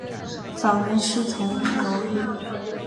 早年师从楼郁。